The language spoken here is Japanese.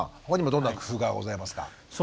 他にもどんな工夫がございますか？